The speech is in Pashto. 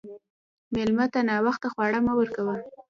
مېلمه ته ناوخته خواړه مه ورکوه.